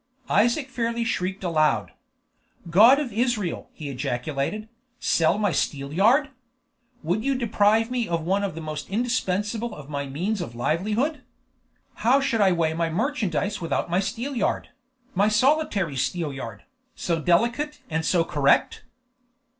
Isaac fairly shrieked aloud. "God of Israel!" he ejaculated, "sell my steelyard? Would you deprive me of one of the most indispensable of my means of livelihood? How should I weigh my merchandise without my steelyard my solitary steelyard, so delicate and so correct?"